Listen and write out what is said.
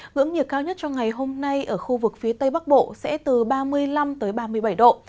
ngưỡng nhiệt cao nhất cho ngày hôm nay ở khu vực phía tây bắc bộ sẽ từ ba mươi năm ba mươi bảy độ